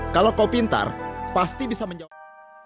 kalau kau pintar pasti bisa menjawab